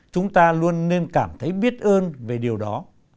chúng ta luôn nên cảm thấy biết ơn về điều đó